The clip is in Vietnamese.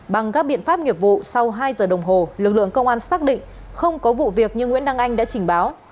bằng các biện pháp nghiệp vụ sau hai giờ đồng hồ lực lượng công an xác định không có vụ việc như nguyễn đăng anh đã trình báo